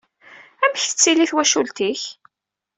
Amek tettili twacult-ik?